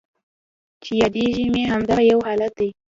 چې یادیږي مې همدغه یو حالت دی